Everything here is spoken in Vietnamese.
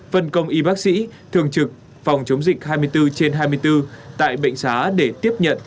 phân công y bác sĩ thường trực phòng chống dịch hai mươi bốn trên hai mươi bốn tại bệnh xá để tiếp nhận